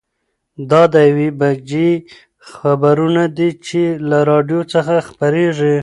دا د یوې بجې خبرونه دي چې له راډیو څخه خپرېږي.